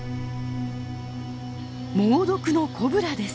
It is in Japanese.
猛毒のコブラです。